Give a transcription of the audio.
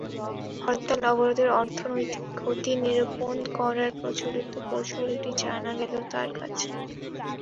হরতাল-অবরোধের অর্থনৈতিক ক্ষতি নিরূপণ করার প্রচলিত কৌশলটি জানা গেল তাঁর কাছে।